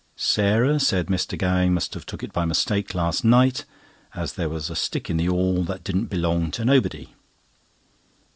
Sarah said Mr. Gowing must have took it by mistake last night, as there was a stick in the 'all that didn't belong to nobody.